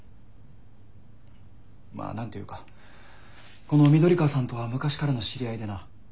まあ何と言うかこの緑川さんとは昔からの知り合いでな。